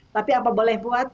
tapi apa boleh buat